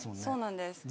そうなんです。